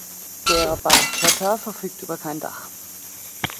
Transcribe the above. Der Barchetta verfügt über kein Dach.